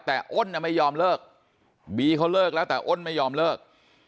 แต่อ้นไม่ยอมเลิกบีเขาเลิกแล้วแต่อ้นไม่ยอมเลิก